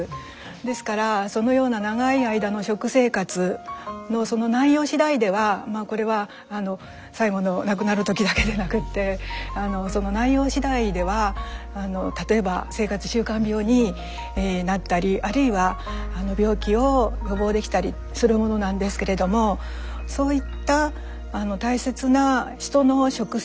ですからそのような長い間の食生活のその内容しだいではこれは最期の亡くなる時だけでなくってその内容しだいでは例えば生活習慣病になったりあるいは病気を予防できたりするものなんですけれどもそういった大切な人の食生活に携わる。